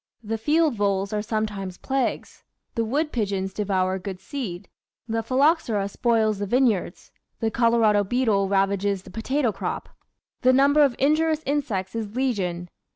The field voles are sometimes "plagues"; the wood pigeons devour good seed; the Phylloxera spoils the vineyards; the Colorado beetle ravages the potato crop; the number of in jurious insects is legion.